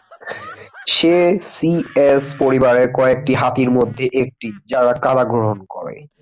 সে শি-এস পরিবারের কয়েকটি হাতির মধ্যে একটি যারা কাদা গ্রহণ করে।